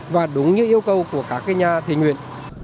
và đúng như yêu cầu của các nhà thi nguyện